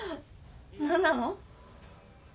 何なの？